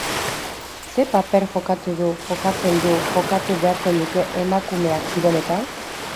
Ze paper jokatu du, jokatzen du, jokatu beharko luke emakumeak kiroletan?